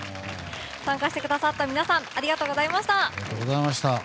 参加してくださった皆さんありがとうございました。